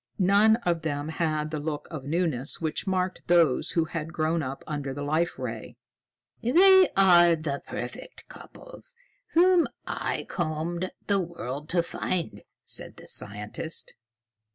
None of them had the look of newness which marked those who had grown up under the Life Ray. "They are the perfect couples whom I combed the world to find," said the scientist.